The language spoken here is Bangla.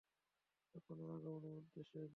আপনাদের আগমনের উদ্দেশ্য কী?